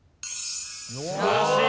素晴らしい！